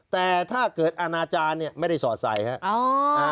แต่ถ้าเกิดอาณาจารย์เนี่ยไม่ได้สอดใส่ครับ